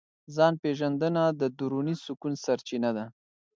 ځان پېژندنه د دروني سکون سرچینه ده.